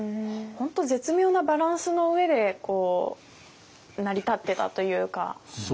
本当絶妙なバランスの上で成り立ってたというか。